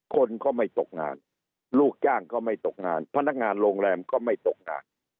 คนก็ไม่ตกงานลูกจ้างก็ไม่ตกงานพนักงานโรงแรมก็ไม่ตกงาน